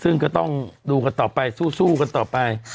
ซึ่งก็ต้องดูกันต่อไปสู้กันต่อไป